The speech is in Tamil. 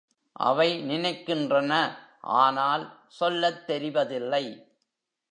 அவை நினைக்கின்றன ஆனால் சொல்லத் தெரிவதில்லை.